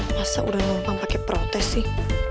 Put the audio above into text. masa udah numpang pakai protes sih